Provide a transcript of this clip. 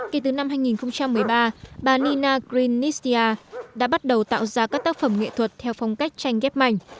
kể từ năm hai nghìn một mươi ba bà nina grinistia đã bắt đầu tạo ra các tác phẩm nghệ thuật theo phong cách tranh ghép mảnh